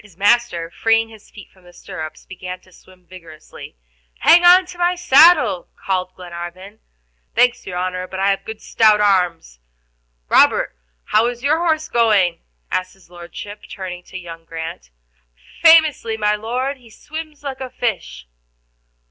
His master, freeing his feet from the stirrups, began to swim vigorously. "Hang on to my saddle," called Glenarvan. "Thanks, your honor, but I have good stout arms." "Robert, how is your horse going?" asked his Lordship, turning to young Grant. "Famously, my Lord, he swims like a fish."